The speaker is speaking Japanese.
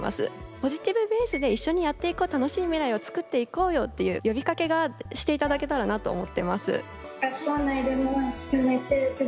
ポジティブベースで一緒にやっていこう楽しい未来を作っていこうよっていう呼びかけがして頂けたらなと思ってます。